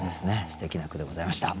すてきな句でございました。